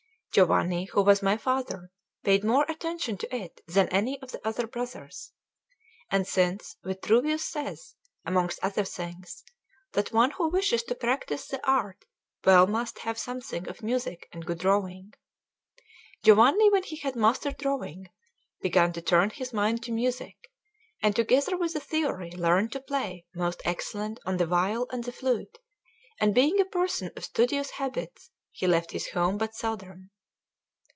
Giovanni, who was my father, paid more attention to it than any of the other brothers. And since Vitruvius says, amongst other things, that one who wishes to practise that art well must have something of music and good drawing, Giovanni, when he had mastered drawing, began to turn his mind to music, and together with the theory learned to play most excellently on the viol and the flute; and being a person of studious habits, he left his home but seldom.